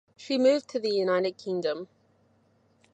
She moved to the United Kingdom.